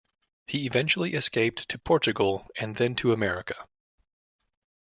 He eventually escaped to Portugal and then to America.